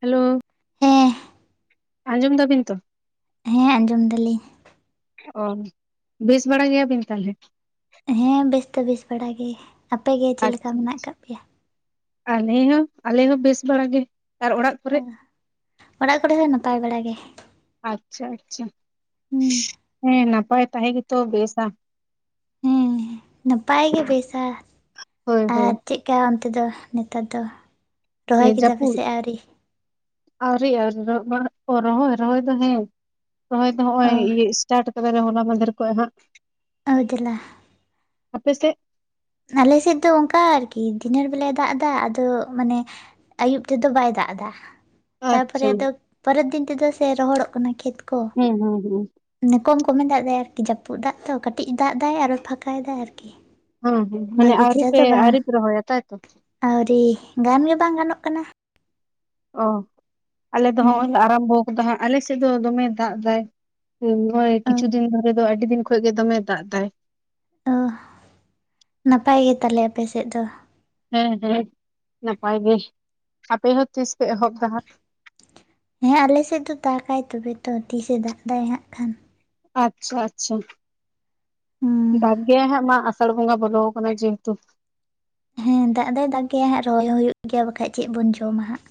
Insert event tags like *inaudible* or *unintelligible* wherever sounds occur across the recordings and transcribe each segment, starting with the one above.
Hello ᱦᱮᱸ ᱟᱸᱡᱚᱢ ᱵᱤᱱᱫᱟ ᱵᱤᱱ ᱛᱚ ᱦᱮᱸ ᱟᱸᱡᱚᱢ ᱫᱟᱞᱤᱧ ᱚ ᱵᱮᱥ ᱵᱟᱲᱟ ᱜᱮᱭᱟᱵᱤᱱ ᱛᱟᱞᱦᱮᱞ ᱦᱮᱸ ᱵᱮᱥ ᱫᱚ ᱵᱮᱥ ᱵᱟᱲᱟ ᱜᱮ ᱟᱯᱮᱜᱮ ᱜᱮ ᱪᱮᱜ ᱞᱮᱠᱟ ᱟᱪᱪᱷᱟ ᱢᱮᱱᱟᱜ ᱠᱟᱜ ᱯᱮᱭᱟ? ᱟᱞᱮ ᱦᱚᱸ ᱟᱞᱮ ᱦᱚᱸ ᱵᱮᱥ ᱵᱟᱲᱟ ᱜᱮ ᱟᱨ ᱚᱲᱟᱜ ᱠᱚᱨᱮᱜ? ᱚᱲᱟᱜ ᱠᱚᱨᱮ ᱦᱚᱸ ᱱᱟᱯᱟᱭ ᱵᱟᱲᱟ ᱜᱮ ᱟᱪᱪᱷᱟ ᱟᱪᱪᱷᱟ ᱦᱩᱸ ᱦᱮᱸ ᱱᱟᱯᱟᱭ ᱛᱟᱦᱮᱸ ᱜᱮᱛᱚ ᱵᱮᱥᱟ ᱦᱮᱸ ᱱᱟᱯᱟᱭ ᱜᱮ ᱵᱮᱥᱟ ᱦᱳᱭ ᱦᱳᱭ ᱟᱨ ᱪᱮᱫᱠᱟ ᱚᱱᱛᱮ ᱫᱚ ᱱᱮᱛᱟᱨ ᱫᱚ? ᱨᱚᱦᱚᱭ ᱠᱮᱫᱟ ᱯᱮᱥᱮ ᱡᱟᱹᱯᱩᱫ ᱟᱹᱣᱨᱤ ᱟᱣᱨᱤ‌ ᱟᱣᱨᱤ ᱟᱨ ᱨᱚᱦᱚᱭ ᱨᱚᱦᱚᱭ ᱫᱚ ᱦᱮᱸ ᱨᱚᱦᱚᱭ ᱫᱚ ᱚ ᱱᱚᱜᱼᱚᱭ ᱥᱴᱟᱨᱴ ᱠᱟᱵ ᱦᱚᱞᱟ ᱢᱟᱦᱫᱮᱨ ᱠᱷᱚᱱ ᱦᱟᱸᱜ ᱚ ᱫᱮᱞᱟ ᱟᱯᱮ ᱥᱮ? ᱟᱞᱮ ᱥᱮᱫ ᱫᱚ ᱚᱱᱠᱟ ᱟᱨᱠᱤ ᱫᱤᱱᱮᱨ ᱵᱮᱞᱟ ᱫᱟᱜ ᱮᱫᱟ ᱟᱫᱚ ᱢᱟᱱᱮ ᱟᱹᱭᱩᱵ ᱛᱮᱫᱚ ᱵᱟᱭ ᱫᱟᱜ ᱮᱫᱟ ᱟᱪᱪᱷᱟ ᱛᱟᱨᱯᱚᱨᱮ ᱫᱚ ᱯᱚᱨᱮᱨ ᱫᱤᱱ ᱛᱮᱫᱚ ᱥᱮ ᱨᱚᱦᱚᱲᱚᱜ ᱠᱟᱱᱟ ᱠᱷᱮᱛ ᱠᱚ ᱦᱩᱸ ᱦᱩᱸ ᱦᱩᱸ ᱠᱚᱢ ᱠᱚᱢᱮ ᱫᱟᱜ ᱮᱟᱭ ᱟᱨᱠᱤ ᱡᱟᱹᱯᱩᱫ ᱫᱟᱜ ᱫᱚᱚ ᱠᱟᱹᱴᱤᱡ ᱫᱟᱜ ᱮᱟᱭ ᱟᱨᱚ ᱯᱷᱟᱸᱠᱟᱭᱮᱫᱟᱭ ᱟᱨᱠᱤ ᱦᱮᱸ ᱦᱮᱸ ᱢᱟᱱᱮ ᱵᱷᱟᱜᱤ ᱟᱹᱣᱨᱤᱯᱮ ᱟᱹᱣᱨᱤᱯᱮ ᱨᱚᱦᱚᱭᱟ ᱛᱟᱭᱛᱚ ᱟᱣᱨᱤ ᱜᱟᱱ ᱜᱮ ᱵᱟᱝ ᱜᱟᱱᱚᱜ ᱠᱟᱱᱟ ᱚᱻ ᱟᱞᱮ ᱫᱚ ᱦᱮᱸ ᱦᱚᱸᱜᱼᱚᱭ ᱞᱮ ᱟᱨᱟᱢᱵᱚ ᱠᱟᱫᱟ ᱦᱟᱸᱜ ᱟᱞᱮ ᱥᱮᱫ ᱫᱚ ᱫᱚᱢᱮ ᱫᱟᱜ ᱫᱟᱭ ᱮ ᱱᱚᱜ ᱚᱭ ᱚ ᱠᱤᱪᱷᱩ ᱫᱤᱱ ᱫᱷᱚᱨᱮ ᱫᱚ ᱟᱹᱰᱤ ᱫᱤᱱ ᱠᱷᱚᱱᱚᱡ ᱜᱮ ᱫᱚᱢᱮ ᱫᱟᱜ ᱮᱫᱭ ᱚ ᱱᱟᱯᱟᱭ ᱜᱮᱛᱟᱞᱮ ᱟᱯᱮ ᱥᱮᱫ ᱫᱚ ᱦᱮᱸ ᱦᱮᱸ ᱱᱟᱯᱟᱭ ᱜᱮ ᱟᱯᱮ ᱦᱚᱸ ᱛᱤᱥ ᱯᱮ ᱮᱦᱚᱵᱫᱟ ᱦᱟᱸᱜ? ᱦᱮᱸ ᱟᱞᱮᱥᱮᱫ ᱫᱚ ᱫᱟᱜᱟᱭ ᱛᱚᱵᱮ ᱛᱚ ᱛᱤᱥᱮ ᱫᱟᱜ ᱫᱟ ᱦᱟᱜ ᱠᱷᱟᱱ ᱟᱪᱪᱷᱟ ᱟᱪᱪᱷᱟ ᱦᱩᱸ ᱵᱷᱟᱜᱮ ᱦᱟᱸᱜ ᱢᱟ ᱥᱟᱲᱵᱷᱚᱸᱜᱟ ᱵᱚᱞ ᱠᱟᱱᱟ ᱡᱮᱦᱮᱛᱩ ᱦᱮᱸ ᱫᱟᱜ ᱫᱚᱭ ᱫᱟᱜᱮᱭᱟ ᱦᱟᱸᱜ ᱨᱚᱦᱚᱭ ᱦᱩᱭᱩᱜ ᱜᱮᱭᱟ ᱵᱟᱠᱷᱟᱡ ᱪᱮᱫ ᱵᱚᱱ ᱡᱚᱢᱟ ᱦᱟᱸᱜ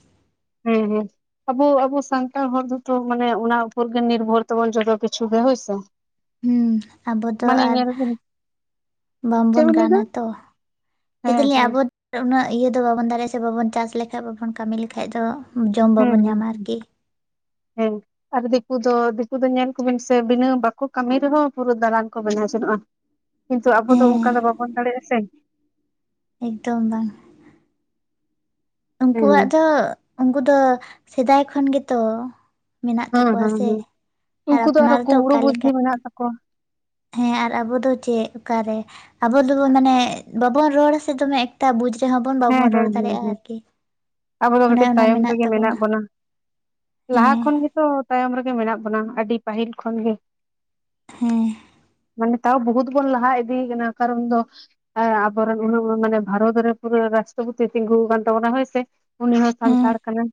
ᱦᱮᱸ ᱦᱮᱸ ᱟᱵᱚ ᱟᱵᱚ ᱥᱟᱱᱛᱟᱲ ᱦᱚᱲ ᱫᱚᱛᱚ ᱢᱟᱱᱮ ᱚᱱᱟ ᱩᱯᱚᱨ ᱜᱮ ᱱᱤᱨᱵᱷᱚᱨ ᱛᱟᱵᱚᱱ ᱡᱚᱛᱚ ᱠᱤᱪᱷᱩ ᱜᱮ ᱦᱳᱭᱥᱮ ᱦᱮᱸ ᱟᱵᱚ ᱫᱚ ᱢᱟᱱᱮ ᱟᱨ ᱧᱮᱞ ᱵᱤᱱ ᱪᱮᱫ ᱵᱟᱝᱵᱚᱱ ᱵᱤᱱ ᱞᱟᱹᱭᱫᱟ ᱜᱟᱱᱟ ᱛᱚ ᱫᱮᱫ ᱦᱮᱸ ᱞᱤᱧ ᱦᱮᱸ ᱟᱵᱚ ᱟᱨ ᱩᱱᱟᱹᱜ ᱤᱭᱟᱹ ᱫᱚ ᱵᱟᱵᱚᱱ ᱫᱟᱲᱮᱭᱟᱜᱼᱟ ᱥᱮ ᱵᱟᱵᱚᱱ ᱪᱟᱥ ᱞᱮᱠᱷᱟᱡ ᱵᱟᱵᱚᱱ ᱠᱟᱹᱢᱤ ᱞᱮᱠᱷᱟᱡ ᱫᱚ ᱡᱚᱢ ᱦᱩᱸ ᱵᱟᱵᱚᱱ ᱦᱩᱸ ᱧᱟᱢᱟ ᱦᱮᱸ ᱟᱨᱠᱤ ᱦᱮᱸ ᱟᱨ ᱫᱤᱠᱩ ᱫᱚ ᱫᱤᱠᱩ ᱫᱚ ᱧᱮᱞ ᱠᱚᱵᱤᱱ ᱥᱮ ᱵᱤᱱᱟᱹ ᱵᱟᱠᱚ ᱠᱟᱹᱢᱤ ᱨᱮᱦᱚᱸ ᱯᱩᱨᱟᱹ ᱫᱟᱬᱟᱱ ᱠᱚ ᱵᱮᱱᱟᱣ ᱡᱚᱱᱚᱜᱼᱟ ᱠᱤᱱᱛᱩ ᱟᱵᱚ ᱫᱚ ᱚᱱᱠᱟ ᱦᱮᱸ ᱫᱚ ᱵᱟᱵᱚᱱ ᱫᱟᱲᱮᱭᱟᱜᱼᱟ ᱥᱮ ᱮᱠᱫᱚᱢ ᱵᱟᱝ ᱩᱱᱠᱩᱣᱟᱜ ᱫᱚ ᱩᱱᱠᱩ ᱫᱚ ᱥᱮᱫᱟᱭ ᱠᱷᱚᱱ ᱜᱮᱛᱚ ᱢᱮᱱᱟᱜ ᱦᱮᱸ ᱛᱟᱠᱚᱣᱟ ᱦᱮᱸ ᱥᱮ ᱦᱮᱸ ᱟᱨ ᱩᱱᱠᱩ ᱫᱚ ᱟᱨᱚ ᱟᱯᱱᱟᱨ ᱠᱩᱢᱲᱩ ᱚᱠᱟ ᱞᱮᱠᱟ ᱵᱩᱫᱽᱫᱷᱤ ᱢᱮᱱᱟᱜ ᱛᱟᱠᱚᱣᱟ ᱦᱮᱸ ᱟᱨ ᱟᱵᱚ ᱫᱚ ᱪᱮᱫ ᱚᱠᱟᱨᱮ ᱟᱵᱚ ᱫᱚᱵᱚ ᱢᱟᱱᱮ ᱵᱟᱵᱚᱱ ᱨᱚᱲᱟ ᱥᱮ ᱫᱚᱢᱮ ᱮᱟᱜ ᱵᱩᱡ ᱨᱮᱦᱚᱸ ᱵᱚᱱ ᱦᱮᱸ ᱵᱟᱵᱚᱱ ᱦᱮᱸ ᱨᱚᱲ ᱦᱮᱸ ᱫᱟᱲᱮᱭᱟᱜᱼᱟ ᱦᱮᱸ ᱟᱨᱠᱤ ᱟᱵᱚ ᱫᱚ ᱚᱱᱮ ᱠᱟᱹᱴᱤᱡ ᱚᱱᱟ ᱛᱟᱭᱚᱢ ᱨᱮᱜᱮ ᱢᱮᱱᱟᱜ ᱛᱟᱵᱚᱱᱟ ᱵᱚᱱᱟ ᱞᱟᱦᱟ ᱦᱮᱸ ᱠᱷᱚᱱ ᱜᱮ ᱛᱚ ᱛᱟᱭᱚᱢ ᱨᱮᱜᱮ ᱢᱮᱱᱟᱜ ᱵᱚᱱᱟ ᱟᱹᱰᱤ ᱯᱟᱹᱦᱤᱞ ᱠᱷᱚᱱ ᱜᱮ ᱦᱮᱸ ᱢᱟᱱᱮ ᱛᱟᱣ ᱵᱚᱦᱩᱛ ᱵᱚᱱ ᱞᱟᱦᱟ ᱤᱫᱤᱭ ᱠᱟᱱᱟ ᱠᱟᱨᱚᱱ ᱫᱚ ᱟᱵᱚᱨᱮᱱ ᱩᱱᱟᱜ ᱢᱟᱱᱮ ᱵᱷᱟᱨᱚᱛ ᱨᱮ ᱯᱩᱨᱟᱹ ᱨᱟᱥᱴᱨᱚᱯᱚᱛᱤ ᱛᱤᱸᱜᱩ ᱟᱠᱟᱱ ᱛᱟᱵᱚᱱᱟ ᱦᱳᱭᱥ ᱩᱱᱤ ᱦᱚᱸ ᱦᱮᱸ ᱥᱟᱱᱛᱟᱲ ᱠᱟᱱᱟᱭ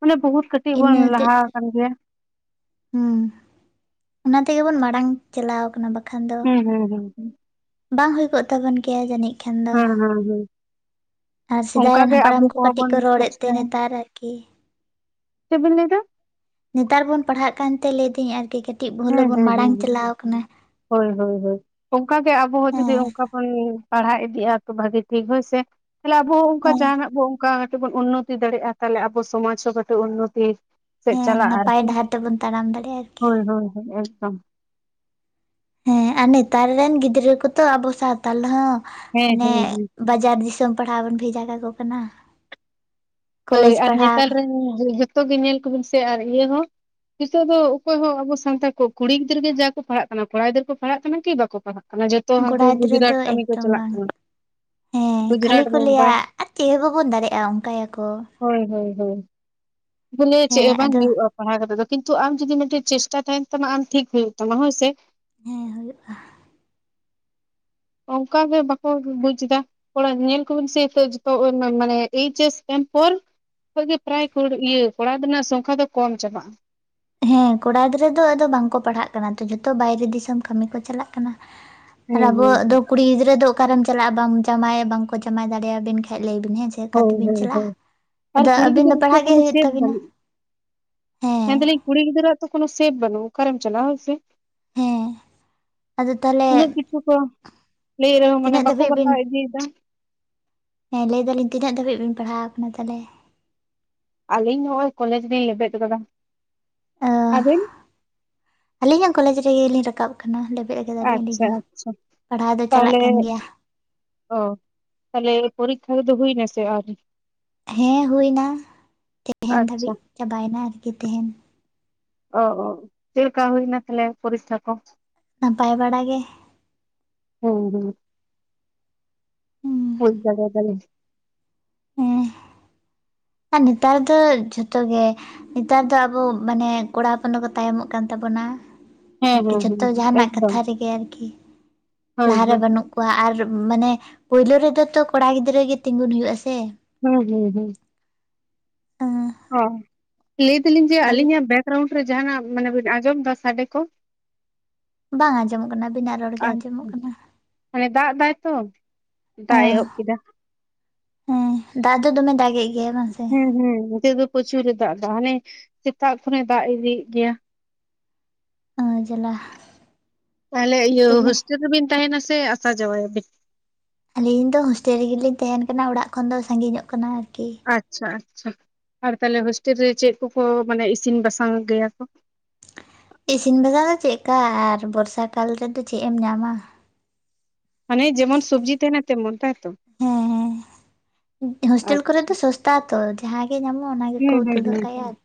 ᱢᱟᱱᱮ ᱵᱚᱦᱩᱛ ᱠᱟᱹᱴᱤᱡ ᱠᱟᱴᱤᱠ ᱤᱱᱟᱹ ᱵᱚᱱ ᱦᱚᱛᱮᱡ ᱞᱟᱦᱟ ᱛᱮ ᱟᱠᱟᱱ ᱜᱮᱭᱟ ᱦᱩᱸ ᱚᱱᱟ ᱛᱮᱜᱮ ᱵᱚᱱ ᱢᱟᱲᱟᱝ ᱪᱟᱞᱟᱣ ᱠᱟᱱᱟ ᱵᱟ ᱦᱩᱸ ᱦᱩᱸ ᱦᱩᱸ ᱦᱩᱸ ᱵᱟᱝ ᱦᱩᱭ ᱠᱚᱜ ᱛᱟᱵᱚᱱ ᱜᱮᱭᱟ ᱡᱟᱹᱱᱤᱡ ᱠᱷᱟᱱ ᱫᱚ ᱦᱮᱸ ᱦᱮᱸ ᱦᱮᱸ ᱟᱨ ᱥᱮᱫᱟᱭ ᱨᱮᱱ ᱚᱱᱠᱟᱜᱮ ᱦᱟᱯᱲᱟᱢ ᱟᱵᱚ ᱠᱚ ᱠᱚᱦᱚᱸ ᱠᱟᱹᱴᱤᱡ ᱵᱚᱱ ᱠᱚ ᱨᱚᱲᱮᱫ ᱛᱮ ᱪᱮᱥᱴᱟᱭᱟ ᱱᱮᱛᱟᱨ ᱟᱨᱠᱤ ᱪᱮᱫᱵᱤᱱ ᱞᱟᱹᱭ ᱮᱫᱟ ᱱᱮᱛᱟᱨ ᱵᱚᱱ ᱯᱟᱲᱦᱟᱜ ᱠᱟᱱᱛᱮ ᱞᱟᱹᱭ ᱫᱟᱹᱧ ᱟᱨᱠᱤ ᱠᱟᱹᱴᱤᱡ ᱵᱷᱩᱞ ᱦᱮᱸ ᱵᱚᱱ ᱦᱮᱸ ᱢᱟᱲᱟᱝ ᱦᱮᱸ ᱪᱟᱞᱟᱣ ᱠᱟᱱᱟ ᱦᱳᱭ ᱦᱳᱭ ᱦᱳᱭ ᱚᱱᱠᱟᱜᱮ ᱟᱵᱚ ᱦᱚᱸ ᱦᱮᱸ ᱡᱩᱫᱤ ᱚᱱᱠᱟ ᱵᱚᱱ ᱯᱟᱲᱦᱟᱣ ᱤᱫᱤᱜᱼᱟ ᱛᱚ ᱵᱷᱟᱹᱜᱤ ᱴᱷᱤᱠ ᱦᱳᱭᱥᱮ ᱛᱟᱦᱚᱞᱮ ᱟᱵᱚ ᱦᱚᱸ ᱚᱱᱠᱟ ᱦᱮᱸ ᱡᱟᱦᱟᱱᱟᱜ ᱵᱚᱱ ᱚᱱᱠᱟ ᱠᱟᱹᱴᱤᱡ ᱵᱚᱱ ᱩᱱᱚᱛᱤ ᱫᱟᱲᱮᱭᱟᱜᱼᱟ ᱛᱟᱦᱚᱞᱮ ᱟᱵᱚ ᱥᱚᱢᱟᱡᱽ ᱦᱚᱸ ᱠᱟᱹᱴᱤᱡ ᱩᱱᱚᱛᱤ ᱥᱮᱫ ᱦᱮᱸ ᱪᱟᱞᱟᱜᱼᱟ ᱱᱟᱯᱟᱭ ᱟᱨᱠᱤ ᱰᱟᱦᱟᱨ ᱛᱮᱵᱚᱱ ᱛᱟᱲᱟᱢ ᱫᱟᱲᱮᱭᱟᱜᱼᱟ ᱟᱨᱠᱤ ᱦᱳᱭ ᱦᱳᱭ ᱮᱠᱫᱚᱢ ᱦᱮᱸ ᱟᱨ ᱱᱮᱛᱟᱨ ᱨᱮᱱ ᱜᱤᱫᱽᱨᱟᱹ ᱠᱚᱛᱚ ᱟᱵᱚ ᱥᱟᱶᱛᱟᱞ ᱦᱚᱸ ᱦᱮᱸ ᱦᱟᱱᱮ ᱦᱮᱸ ᱦᱮᱸ ᱵᱟᱡᱟᱨ ᱫᱤᱥᱚᱢ ᱯᱟᱲᱦᱟᱣ ᱵᱚᱱ ᱵᱷᱮᱡᱟ ᱠᱟᱠᱚ ᱠᱟᱱᱟ ᱾ ᱦᱳᱭ, ᱟᱨ ᱱᱮᱛᱟᱨ ᱨᱮᱱ ᱡᱚᱛᱚ ᱜᱮ ᱧᱮᱞ ᱠᱚᱵᱤᱱ ᱥᱮ ᱟᱨ ᱤᱭᱟᱹ ᱦᱚᱸ ᱱᱤᱛᱚᱜ ᱫᱚ ᱚᱠᱚᱭ ᱦᱚᱸ ᱟᱵᱚ ᱥᱟᱱᱛᱟᱲ ᱠᱚ ᱠᱩᱲᱤ ᱜᱤᱫᱽᱟᱹᱨ ᱜᱮ ᱡᱟ ᱠᱚ ᱯᱟᱲᱦᱟᱜ ᱠᱟᱱᱟ, ᱠᱚᱲᱟ ᱜᱤᱫᱽᱟᱹᱨ ᱠᱚ ᱯᱟᱲᱦᱟᱜ ᱠᱟᱱᱟ ᱠᱤ ᱵᱟᱠᱚ ᱯᱟᱲᱦᱟᱜ ᱠᱟᱱᱟ ᱾ ᱡᱚᱛᱚ ᱦᱟᱹᱱᱠᱩ ᱠᱚᱲᱟ ᱜᱤᱫᱽᱨᱟᱹ ᱜᱩᱡᱽᱨᱟᱴ ᱫᱚ ᱠᱟᱹᱢᱤ ᱠᱚ ᱮᱠᱫᱚᱢ ᱪᱟᱞᱟᱜ ᱵᱟᱝ ᱠᱟᱱᱟ, ᱦᱮᱸ ᱠᱷᱟᱹᱞᱤ ᱜᱩᱡᱽᱨᱟᱴ ᱠᱚ ᱞᱟᱹᱭᱟ ᱵᱳᱢᱵᱟᱭ ᱾ ᱟᱨ ᱪᱮᱫ ᱦᱚᱸ ᱵᱟᱵᱚᱱ ᱫᱟᱲᱮᱜᱼᱟ ᱾ ᱚᱱᱠᱟᱭᱟᱠ ᱾ ᱦᱳᱭ ᱦᱳᱭ ᱦᱳᱭ ᱾ ᱵᱚᱞᱮ ᱪᱮᱫ ᱦᱮᱸ ᱦᱚᱸ ᱵᱟᱝ ᱟᱫᱚ ᱦᱩᱭᱩᱜᱼᱟ? ᱯᱟᱲᱟᱣ ᱠᱟᱛᱮ ᱫᱚ ᱠᱤᱱᱛᱩ ᱟᱢ ᱡᱩᱫᱤ ᱢᱤᱫᱴᱮᱡ ᱪᱮᱥᱴᱟ ᱛᱟᱦᱮᱱ ᱛᱟᱢᱟ, ᱟᱢ ᱴᱷᱤᱠ ᱦᱩᱭᱩᱜ ᱛᱟᱢᱟ ᱦᱳᱭᱥ ᱥᱮ ᱾ ᱦᱮᱸ, ᱚᱱᱠᱟ ᱜᱮ ᱵᱟᱠᱚ ᱵᱩᱡ ᱮᱫᱟ ᱾ ᱛᱷᱳᱲᱟ ᱧᱮᱞ ᱠᱚᱵᱤᱱ ᱥᱮᱟᱱ ᱮᱭᱤᱪᱮᱥ ᱯᱳᱨ ᱡ *unintelligible* ᱜᱮ ᱯᱨᱟᱭᱲ ᱤᱭᱟᱹ ᱠᱚᱲᱟ ᱨᱮᱱᱟᱜ ᱥᱚᱝᱠᱷᱟ ᱫᱚ ᱠᱚᱢ ᱪᱟᱵᱟᱜᱼᱟ ᱦᱮᱸ ᱠᱚᱲᱟ ᱜᱤᱫᱽᱨᱟᱹ ᱫᱚ ᱟᱫᱚ ᱵᱟᱝᱠᱚ ᱯᱟᱲᱦᱟᱜ ᱠᱟᱱᱟ ᱛᱚ, ᱡᱚᱛᱚ ᱵᱟᱭᱨᱮ ᱫᱤᱥᱚᱢ ᱠᱟᱹᱢᱤ ᱠᱚ ᱪᱟᱞᱟᱜ ᱠᱟᱱᱟ ᱾ ᱟᱨ ᱦᱩᱸ ᱟᱵᱚ ᱦᱩᱸ ᱫᱚ ᱦᱩᱸ ᱠᱩᱲᱤ ᱜᱤᱫᱽᱨᱟᱹ ᱫᱚ ᱚᱠᱟᱨᱮᱢ ᱪᱟᱞᱟᱜᱼᱟ ᱵᱟᱢ ᱡᱟᱢᱟᱭ ᱵᱟᱝᱠᱚ ᱡᱟᱢᱟᱭ ᱫᱟᱲᱮᱭᱟᱵᱮᱱ ᱠᱷᱟᱡ ᱞᱟᱹᱭ ᱵᱤᱱ ᱦᱮᱸ ᱥᱮ ᱾ ᱪᱤᱠᱟᱹ ᱦᱳᱭ ᱛᱮᱵᱤᱱ ᱦᱳᱭ ᱦᱳᱭ ᱪᱟᱞᱟᱜᱼᱟ ᱟᱨ ᱟᱫᱚ ᱠᱩᱲᱤ ᱟᱹᱵᱤᱱ ᱫᱚ ᱯᱟᱲᱦᱟᱜ ᱜᱮ ᱦᱩᱭᱩᱜ ᱛᱟᱹᱵᱤᱱᱟ ᱾ ᱦᱮᱸ ᱢᱮᱱᱫᱟᱹᱞᱤᱧ ᱠᱩᱲᱤ ᱜᱤᱫᱽᱨᱟᱹᱜ ᱛᱚ ᱠᱚᱱᱳ ᱥᱮᱵᱷ ᱵᱟᱹᱱᱩᱜ ᱾ ᱚᱠᱟᱨᱮᱢ ᱪᱟᱞᱟᱣ ᱦᱳᱭ ᱥᱮ? ᱦᱮᱸ ᱟᱫᱚ ᱛᱟᱦᱚᱞᱮ ᱩᱱᱠᱩ ᱠᱚ ᱞᱟᱹᱭ ᱨᱮᱦᱚᱸ ᱢᱟᱱᱮ ᱛᱤᱱᱟᱹᱜ ᱵᱟᱠᱚ ᱫᱷᱟᱹᱵᱤᱡ ᱵᱤᱱ ᱵᱟᱛᱟᱣ ᱤᱫᱤᱭᱮᱫᱟ ᱾ ᱦᱮᱸ, ᱞᱟᱹᱭ ᱫᱟᱞᱤᱧ ᱛᱤᱱᱟᱹᱜ ᱫᱷᱟᱹᱵᱤᱡ ᱵᱮᱱ ᱯᱟᱲᱦᱟᱣ ᱟᱠᱟᱱᱟ ᱛᱟᱦᱚᱞᱮ? ᱟᱹᱞᱤᱧ ᱱᱚᱜᱼᱚᱭ ᱠᱚᱞᱮᱡᱽ ᱞᱤᱧ ᱞᱮᱵᱮᱫ ᱟᱠᱟᱫᱟ ᱚ ᱾ ᱟᱹᱵᱤᱱ? ᱟᱹᱞᱤᱧ ᱦᱚᱸ ᱠᱚᱞᱮᱡᱽ ᱨᱮ ᱜᱮᱞᱤᱧ ᱨᱟᱠᱟᱵ ᱠᱟᱱᱟ, ᱞᱮᱵᱮᱫ ᱟᱠᱟᱫᱟ ᱞᱤᱧ ᱟᱹᱞᱤᱧ ᱟᱪᱪᱷᱟ ᱦᱚᱸ ᱟᱪᱪᱷᱟ ᱯᱟᱲᱦᱟᱣ ᱫᱚ ᱪᱟᱞᱟᱜ ᱛᱟᱦᱚᱞᱮ ᱠᱟᱱ ᱜᱮᱭᱟ ᱾ ᱚ, ᱛᱟᱞᱦᱮ ᱯᱚᱨᱤᱠᱠᱷᱟ ᱠᱚᱫᱚ ᱦᱩᱭᱱᱟ ᱥᱮ ᱟᱹᱣᱨᱤ? ᱦᱮᱸ, ᱦᱩᱭᱱᱟ ᱾ ᱛᱮᱦᱮᱱ ᱟᱪᱪᱷᱟ ᱫᱷᱟᱹᱵᱤᱡ ᱪᱟᱵᱟᱭᱮᱱᱟ ᱟᱨᱠᱤ ᱛᱮᱦᱮᱧ ᱾ ᱚ ᱚ ᱪᱮᱫᱞᱮᱠᱟ ᱦᱩᱭᱱᱟ ᱛᱟᱦᱚᱞᱮ ᱯᱚᱨᱤᱥᱠᱷᱟ ᱠᱚ? ᱱᱟᱯᱟᱭ ᱵᱟᱲᱟ ᱜᱮ ᱾ ᱦᱩᱸ, ᱦᱩᱸ ᱾ ᱦᱮᱸ ᱦ *unintelligible* *unintelligible* ᱩᱸᱦ ᱟᱨ ᱱᱮᱛᱟᱨ ᱫᱚ ᱡᱷᱚᱛᱚ ᱜᱮ ᱾ ᱱᱮᱛᱟᱨ ᱫᱚ ᱟᱵᱚ ᱢᱟᱱᱮ ᱠᱚᱲᱟ ᱦᱚᱯᱚᱱ ᱫᱚᱠᱚ ᱛᱟᱭᱚᱢᱚᱜ ᱠᱟᱱ ᱛᱟᱵᱚᱱᱟ ᱾ ᱦᱮᱸ ᱟᱨᱠᱤ ᱦᱮᱸ ᱡᱷᱚᱛᱚ ᱦᱮᱸ ᱡᱟᱦᱟᱱᱟᱜ ᱮᱠᱫᱚᱢ ᱠᱟᱛᱷᱟ ᱨᱮᱜᱮ ᱟᱨᱠᱤ ᱾ ᱦᱮᱸ ᱞᱟᱦᱟᱨᱮ ᱦᱮᱸ ᱵᱟᱹᱱᱩᱜ ᱠᱚᱣᱟ ᱟᱨ ᱢᱟᱱᱮ ᱯᱳᱭᱞᱳ ᱨᱮᱫᱚ ᱛᱚ ᱠᱚᱲᱟ ᱜᱤᱫᱽᱨᱟᱹ ᱜᱮ ᱛᱤᱜᱩᱱ ᱦᱩᱭᱩᱜ ᱟ ᱥᱮ ᱾ ᱦᱩᱸ, ᱦᱩᱸ, ᱦᱩᱸ ᱾ ᱚ ᱞᱟᱹᱭ ᱫᱟᱹᱞᱤᱧ ᱡᱮ ᱟᱹᱞᱤᱧᱟᱜ ᱵᱮᱠᱜᱨᱟᱣᱩᱱᱰ ᱨᱮ ᱡᱟᱦᱟᱱᱟᱜ ᱢᱟᱱᱮ ᱵᱤᱱ ᱟᱸᱡᱚᱢ ᱫᱟ ᱥᱟᱰᱮ ᱠᱚ? ᱵᱟᱝ ᱟᱸᱡᱚᱢᱚᱜ ᱠᱟᱱᱟ ᱟᱵᱤᱱᱟᱜ ᱨᱚᱲ ᱜᱮ ᱟᱪᱪᱷᱟ ᱟᱸᱡᱚᱢᱚᱜ ᱠᱟᱱᱟ ᱾ ᱢᱟᱱᱮ ᱫᱟᱜ ᱫᱟᱭ ᱛᱚ ᱾ ᱫᱟᱜ ᱮ ᱮᱦᱚᱵ ᱠᱮᱫᱟ ᱾ ᱦᱩᱸ, ᱫᱟᱜ ᱫᱚ ᱫᱚᱢᱮ ᱫᱟᱜᱮᱜ ᱾ ᱦᱩᱸ, ᱦᱩᱸ, ᱱᱤᱛᱚᱜ ᱫᱚ ᱯᱨᱚᱪᱩᱨᱮ ᱫᱟᱜ ᱮᱫᱟ ᱦᱟᱱᱮ ᱥᱮᱛᱟᱜ ᱠᱷᱚᱱᱮ ᱫᱟᱜ ᱤᱫᱤᱭᱮᱫ ᱜᱮᱭᱟ ᱾ ᱚ ᱡᱟᱞᱟ ᱾ ᱛᱟᱦᱚᱞᱮ ᱤᱭᱟᱹ ᱦᱳᱥᱴᱮᱞ ᱨᱮᱵᱤᱱ ᱛᱟᱦᱮᱱᱟ ᱥᱮ ᱟᱥᱟ ᱡᱟᱶᱟᱭᱟᱵᱤᱱ? ᱟᱹᱞᱤᱧ ᱫᱚ ᱦᱳᱥᱴᱮᱞ ᱨᱮᱜᱮᱞᱤᱧ ᱛᱟᱦᱮᱱ ᱠᱟᱱᱟ, ᱚᱲᱟᱜ ᱠᱷᱚᱱ ᱫᱚ ᱥᱟᱺᱜᱤᱧᱚᱜ ᱠᱟᱱᱟ ᱟᱨᱠᱤ ᱾ ᱟᱪᱪᱷᱟ ᱟᱪᱪᱷᱟ ᱾ ᱟᱨ ᱛᱟᱞᱦᱮ ᱦᱳᱥᱴᱮᱞ ᱨᱮ ᱪᱮᱫ ᱠᱚᱠᱚ ᱢᱟᱱᱮ ᱤᱥᱤᱱ ᱵᱟᱥᱟᱝ ᱜᱮᱭᱟ ᱠᱚ? ᱤᱥᱤᱱ ᱵᱟᱥᱟᱝ ᱫᱚ ᱪᱮᱜ ᱠᱟ ᱟᱨ ᱵᱚᱨᱥᱟ ᱠᱟᱞ ᱨᱮᱫᱚ ᱪᱮᱫ ᱮᱢ ᱧᱟᱢᱟ? ᱢᱟᱱᱮ ᱡᱮᱢᱚᱱ ᱥᱚᱵᱽᱡᱤ ᱛᱟᱦᱮᱱᱟ ᱛᱮᱢᱚᱱ ᱛᱟᱭ ᱛᱚ? ᱦᱮᱸ ᱦᱳᱥᱴᱮᱞ ᱠᱚᱨᱮ ᱫᱚ ᱥᱚᱥᱛᱟ ᱛᱚ ᱡᱟᱦᱟᱸ ᱜᱮ ᱧᱟᱢᱚᱜᱼᱟ, ᱚᱱᱟ ᱜᱮᱠᱚ ᱦᱩᱸ ᱦᱩᱸ ᱩᱛᱩ ᱦᱩᱸ ᱫᱟᱠᱟᱭᱟ ᱟᱨ